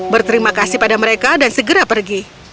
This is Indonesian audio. berterima kasih pada mereka dan segera pergi